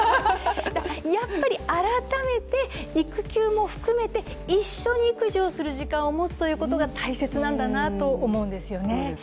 やっぱり改めて育休も含めて一緒に育児をする時間を持つということが大切なんだなと思うんですよね。